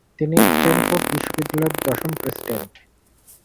তিনি স্ট্যানফোর্ড বিশ্ববিদ্যালয়ের দশম প্রেসিডেন্ট।